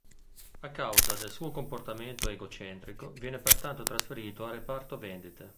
A causa del suo comportamento egocentrico viene pertanto trasferito al reparto vendite.